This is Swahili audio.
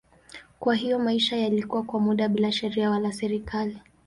Kwa hiyo maisha yalikuwa kwa muda bila sheria wala serikali.